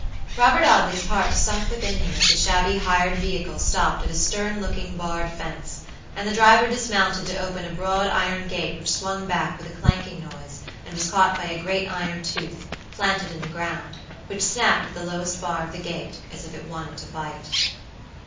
Robert Audley's heart sunk within him as the shabby hired vehicle stopped at a stern looking barred fence, and the driver dismounted to open a broad iron gate which swung back with a clanking noise and was caught by a great iron tooth, planted in the ground, which snapped at the lowest bar of the gate as if it wanted to bite.